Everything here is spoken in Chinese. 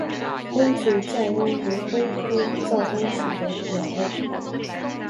鸥嘴噪鸥为鸥科噪鸥属的鸟类。